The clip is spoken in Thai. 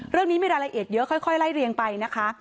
เรื่องนี้มีรายละเอียดเยอะค่อยไล่เรียงไปนะคะ